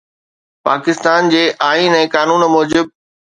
پاڪستان جي آئين ۽ قانون موجب